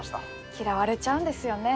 嫌われちゃうんですよね。